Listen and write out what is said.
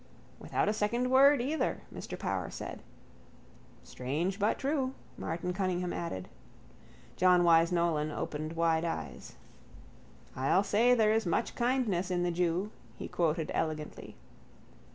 —Without a second word either, Mr Power said. —Strange but true, Martin Cunningham added. John Wyse Nolan opened wide eyes. —I'll say there is much kindness in the jew, he quoted, elegantly.